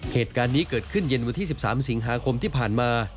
เหตุการณ์นี้เกิดขึ้นเย็นวันที่๑๓สิงหาคมที่ผ่านมา